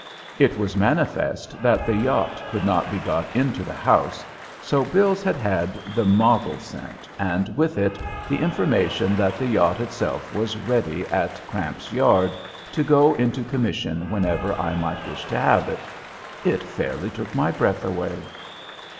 It was manifest that the yacht could not be got into the house, so Bills had had the model sent, and with it the information that the yacht itself was ready at Cramp's yard to go into commission whenever I might wish to have it. It fairly took my breath away.